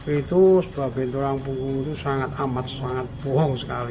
itu sebuah benturan punggung itu sangat amat sangat bohong sekali